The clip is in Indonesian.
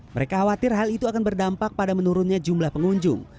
mereka khawatir hal itu akan berdampak pada menurunnya jumlah pengunjung